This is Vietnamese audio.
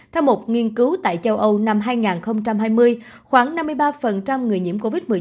theo một nghiên cứu tại châu âu năm hai nghìn hai mươi khoảng năm mươi ba người nhiễm covid một mươi chín